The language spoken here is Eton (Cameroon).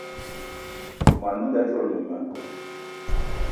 Món menga dzolo mema